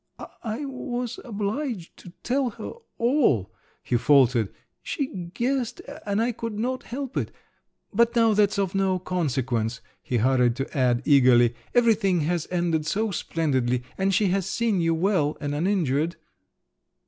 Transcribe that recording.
"I was obliged to tell her all," he faltered; "she guessed, and I could not help it…. But now that's of no consequence," he hurried to add eagerly, "everything has ended so splendidly, and she has seen you well and uninjured!"